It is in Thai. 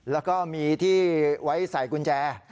แล้วก็มีที่ไว้ใส่กุญแจ